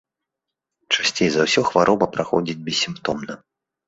Часцей за ўсё хвароба праходзіць бессімптомна.